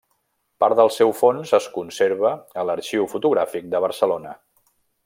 Part del seu fons es conserva a l'Arxiu Fotogràfic de Barcelona.